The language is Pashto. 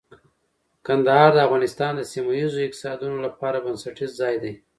کندهار د افغانستان د سیمه ییزو اقتصادونو لپاره بنسټیز ځای دی.